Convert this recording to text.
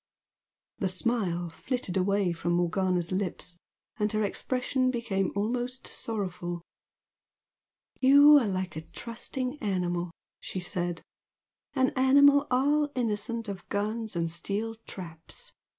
The smile flitted away from Morgana's lips, and her expression became almost sorrowful. "You are like a trusting animal!" she said "An animal all innocent of guns and steel traps!